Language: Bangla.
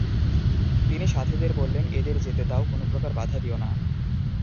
তিনি সাথীদের বললেন, এদের যেতে দাও কোন প্রকার বাধা দিও না।